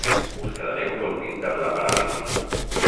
Us quedareu colpit per la paràlisi.